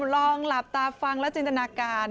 ลองหลับตาฟังแล้วจินตนาการ